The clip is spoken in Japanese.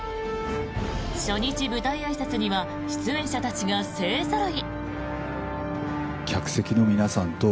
初日舞台あいさつには出演者たちが勢ぞろい。